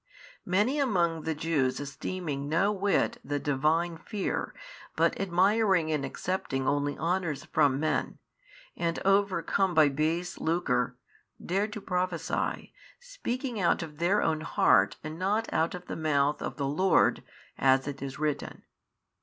|645 Many among the Jews esteeming no whit the Divine Fear, but admiring and accepting only honours from men, and overcome by base lucre, dared to prophesy, speaking out of their own heart and not out of the Mouth of the Lord, as it is written.